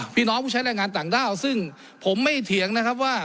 พี่น้องผู้ใช้แรงงานต่างด้าวซึ่งผมไม่เถียงนะครับว่า